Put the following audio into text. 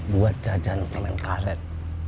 buat jajan permen karet